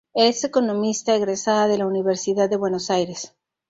Es economista egresada de la Universidad de Buenos Aires.